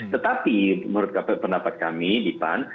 tetapi menurut pendapat kami dipan